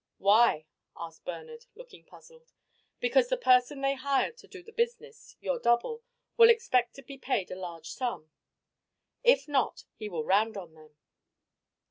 "Why?" asked Bernard, looking puzzled. "Because the person they hired to do the business your double will expect to be paid a large sum. If not, he will round on them."